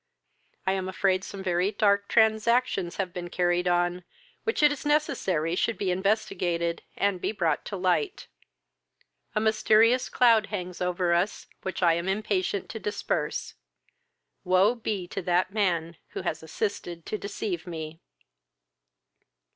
I am afraid some very dark transactions have been carried on which it is necessary should be investigated, and be brought to light. A mysterious cloud hangs over us, which I am impatient to disperse. Woe be to that man who has assisted to deceive me!"